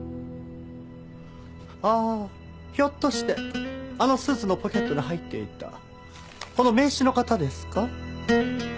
ああひょっとしてあのスーツのポケットに入っていたこの名刺の方ですか？